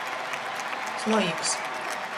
Slojiks.